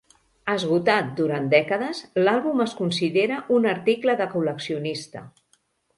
Esgotat durant dècades, l'àlbum es considera un article de col·leccionista.